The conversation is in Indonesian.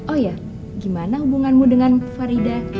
oh ya gimana hubunganmu dengan farida